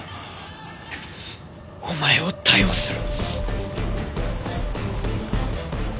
お前を逮捕する。